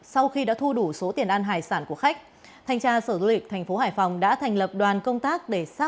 sau khi đã thu đủ số tiền ăn hải sản của khách thanh tra sở du lịch tp hải phòng đã thành lập đoàn công tác để xác minh làm rõ